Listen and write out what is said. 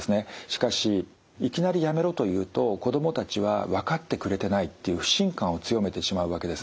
しかしいきなり「やめろ」と言うと子供たちは分かってくれてないっていう不信感を強めてしまうわけです。